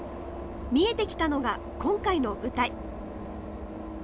見えてきたのが今回の舞台。